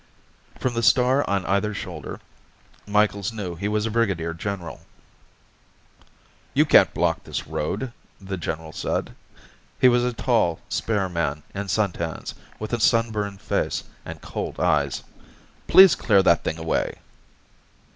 From the star on either shoulder, Micheals knew he was a brigadier general. "You can't block this road," the general said. He was a tall, spare man in suntans, with a sunburned face and cold eyes. "Please clear that thing away."